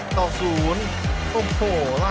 อันดับสุดท้ายของมันก็คือ